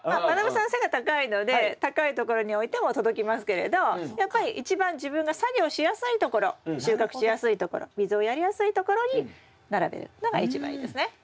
まなぶさん背が高いので高いところに置いても届きますけれどやっぱり一番自分が作業しやすいところ収穫しやすいところ水をやりやすいところに並べるのが一番いいですね。